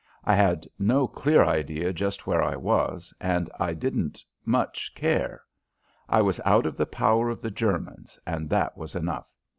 I had no clear idea just where I was, and I didn't much care. I was out of the power of the Germans, and that was enough.